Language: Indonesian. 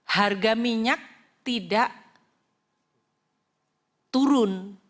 harga minyak tidak turun